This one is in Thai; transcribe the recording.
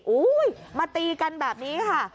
มาตีกันแบบนี้ค่ะ